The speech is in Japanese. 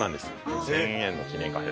１，０００円の記念貨幣です。